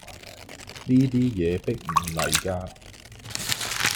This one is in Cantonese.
呢啲嘢迫唔嚟架